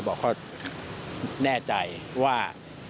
บอกเขาแน่ใจว่า